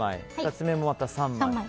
２つ目もまた３枚。